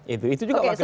itu juga wakil gubernur